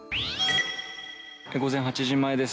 午前８時前です。